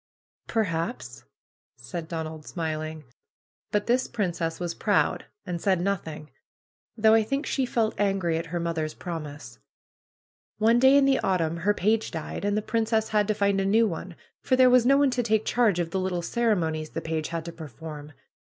Perhaps !" said Donald smiling. ^'But this princess was proud, and said nothing. Though I think she felt angry at her mother's promise. One day in the autumn her page died, and the princess had to find a new one, for there was no one to take charge of the little cere monies the page had to perform.